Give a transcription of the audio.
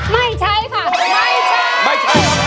ไม่ใช้ค่ะไม่ใช้